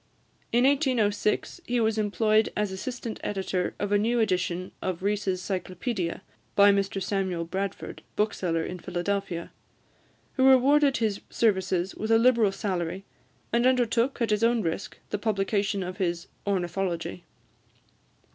In 1806, he was employed as assistant editor of a new edition of Rees' Cyclopedia, by Mr Samuel Bradford, bookseller in Philadelphia, who rewarded his services with a liberal salary, and undertook, at his own risk, the publication of his "Ornithology."